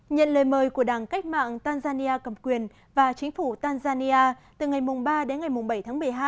nhận lời mời của đảng cách mạng tanzania cầm quyền và chính phủ tanzania từ ngày ba đến ngày bảy tháng một mươi hai